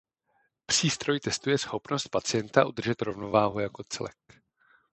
Přístroj testuje schopnost pacienta udržet rovnováhu jako celek.